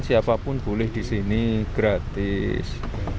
siapapun boleh di sini gratis